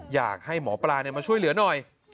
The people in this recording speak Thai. อยากให้หมอปลามาช่วยเหลือหน่อย